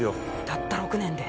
「たった６年で？」